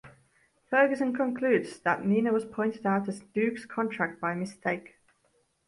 Ferguson concludes that Nina was pointed out as Duke's contract by mistake.